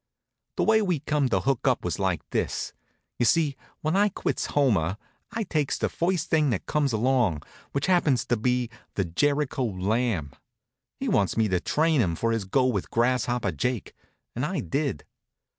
The way we come to hook up was like this: You see, when I quits Homer, I takes the first thing that comes along, which happens to be the Jericho Lamb. He wants me to train him for his go with Grasshopper Jake, and I did.